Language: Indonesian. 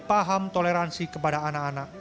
paham toleransi kepada anak anak